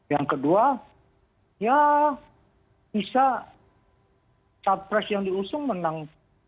yang kedua ya bisa capres yang diusung menang